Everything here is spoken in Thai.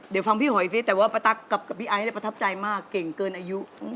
เดี๋ยวฟังพี่หอยซิแต่ว่าป้าตั๊กกับพี่ไอซ์ประทับใจมากเก่งเกินอายุ